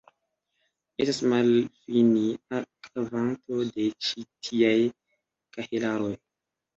Estas malfinia kvanto de ĉi tiaj kahelaroj.